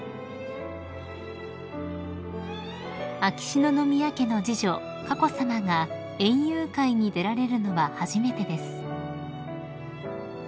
［秋篠宮家の次女佳子さまが園遊会に出られるのは初めてです］